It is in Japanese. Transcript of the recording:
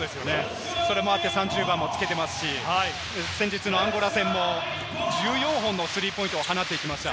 それもあって３０番もつけていますし、先日のアンゴラ戦も１４本のスリーポイントを放っていきました。